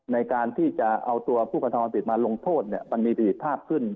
ในการที่จะเอาตัวผู้กำเนินความติดมาลงโทษเนี่ยมันมีผลิตภาพขึ้น